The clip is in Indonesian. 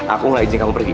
aku gak izin kamu pergi